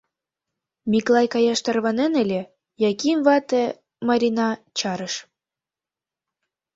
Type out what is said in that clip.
Миклай каяш тарванен ыле, Яким вате, Марина, чарыш.